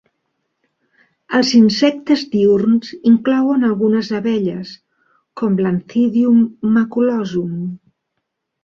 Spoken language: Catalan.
Els insectes diürns inclouen algunes abelles, com l'Anthidium maculosum.